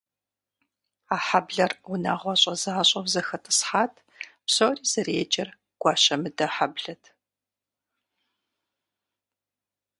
А хьэблэр унагъуэщӏэ защӏэу зэхэтӏысхьат, псори зэреджэр гуащэмыдэ хьэблэт.